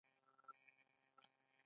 غول د غوړو دروند بار لري.